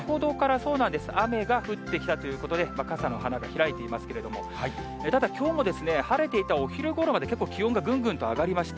そうなんです、雨が降ってきたということで、傘の花が開いていますけれども、ただきょうも晴れていたお昼ごろまで、結構気温がぐんぐんと上がりました。